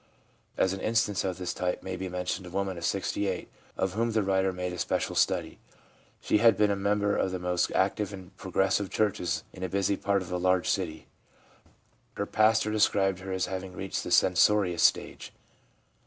As an instance of this type may be mentioned a woman of 68, of whom the writer made a special study. She had been a member of one of the most active and progressive churches in a busy part of a large city. Her pastor described her as having reached the censorious stage.